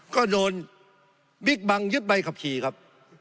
ก็โดนบิ๊กบังยึดใบขับขี่ครับ